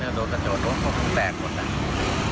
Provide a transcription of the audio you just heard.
เดินโตสะโจดโดนโหลดตูแรงหมด